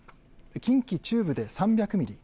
近畿中部で３００ミリ